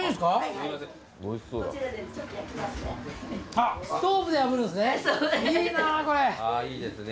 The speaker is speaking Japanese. あっストーブであぶるんですね。